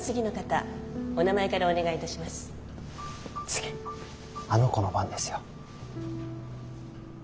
次あの子の番ですよ。